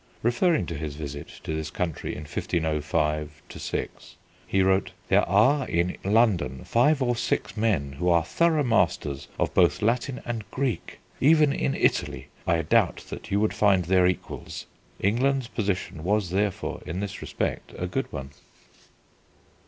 Referring to his visit to this country in 1505 6 he wrote: "There are in London five or six men who are thorough masters of both Latin and Greek; even in Italy I doubt that you would find their equals." England's position was, therefore, in this respect a good one.